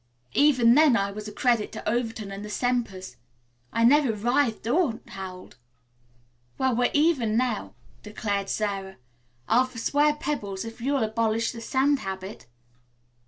Even then I was a credit to Overton and the Sempers. I neither writhed nor howled." "Well, we're even now," declared Sara. "I'll foreswear pebbles if you'll abolish the sand habit."